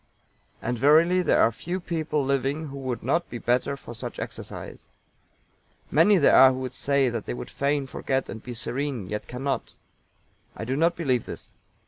And verily there are few people living who would not be the better for such exercise. Many there are who say that they would fain forget and be serene, yet cannot. I do not believe this.